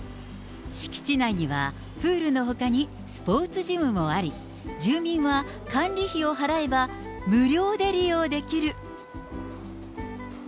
敷地内には、プールのほかにスポーツジムもあり、住民は管理費を払えば、無料で利用できる。